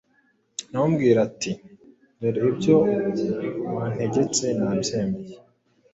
aramubwira, ati «Dore ibyo wantegetse nabyemeye;